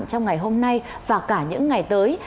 trong ngày hôm nay và cả những ngày tới